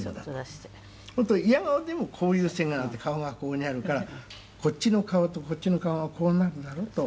「するといやが応でもこういう姿勢になって顔がここにあるからこっちの顔とこっちの顔がこうなるだろうと」